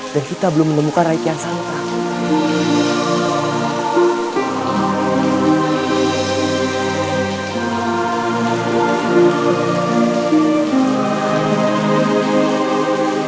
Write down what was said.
dan kita belum menemukan rai kian santam